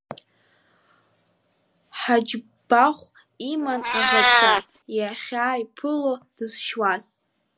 Ҳаџьбахә иман аӷацәа, иахьааиԥыло дызшьуаз.